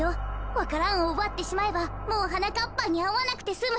わか蘭をうばってしまえばもうはなかっぱんにあわなくてすむ。